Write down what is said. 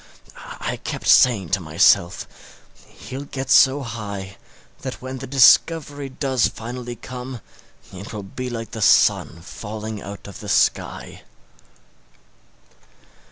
I kept saying to myself, he'll get so high that when discovery does finally come it will be like the sun falling out of the sky.